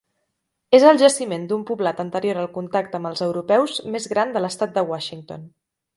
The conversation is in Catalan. És el jaciment d'un poblat anterior al contacte amb els europeus més gran de l'estat de Washington.